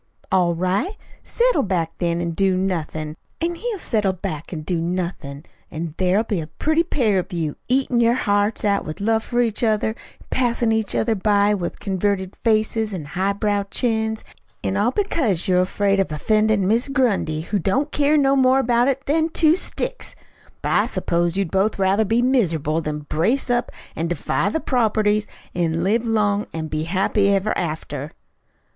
"All right. Settle back, then, an' do nothin'; an' he'll settle back an' do nothin', an' there'll be a pretty pair of you, eatin' your hearts out with love for each other, an' passin' each other by with converted faces an' highbrow chins; an' all because you're afraid of offendin' Mis' Grundy, who don't care no more about you than two sticks. But I s'pose you'd both rather be miserable than brace up an' defy the properties an' live long an' be happy ever after."